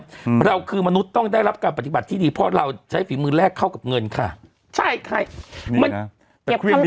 อืมเราคือมนุษย์ต้องได้รับการปฏิบัติที่ดีเพราะเราใช้ฝีมือแรกเข้ากับเงินค่ะใช่ค่ะมันแต่ความดี